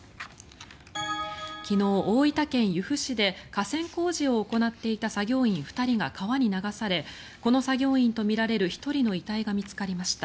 昨日、大分県由布市で河川工事を行っていた作業員２人が川に流されこの作業員とみられる１人の遺体が見つかりました。